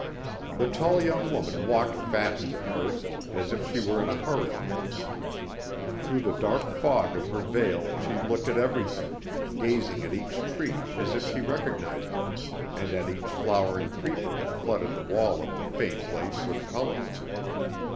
The tall young woman walked fast at first, as if she were in a hurry. Through the dark fog of her veil she looked at everything, gazing at each tree as if she recognized it, and at each flowering creeper that flooded the wall of the "Fay place" with color.